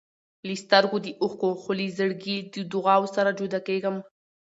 له سترګو د اوښکو، خو له زړګي د دعاوو سره جدا کېږم.